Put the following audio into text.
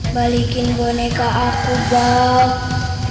balikin boneka aku bob